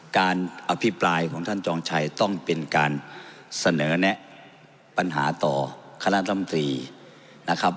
การอภิปรายของท่านจองชัยต้องเป็นการเสนอแนะปัญหาต่อคณะธรรมตรีนะครับ